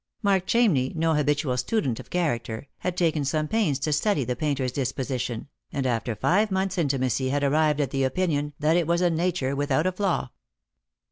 Mark Chamney, no habitual student of character, had taken some pains to study the painter's disposition, and after five months' intimacy had arrived at the opinion that it was a nature without a flaw.